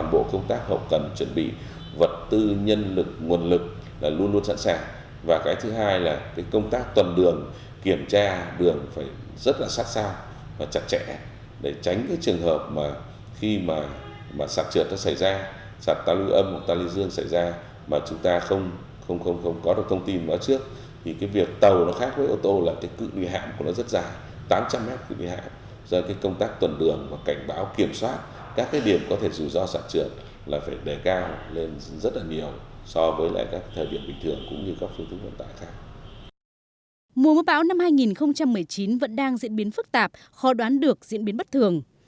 mua mưa bão năm hai nghìn một mươi chín vẫn đang diễn biến phức tạp khó đoán được diễn biến bất thường